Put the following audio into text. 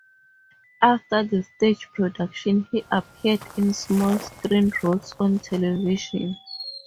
After the stage production, he appeared in small screen roles on television.